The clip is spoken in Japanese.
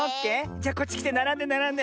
じゃこっちきてならんでならんで。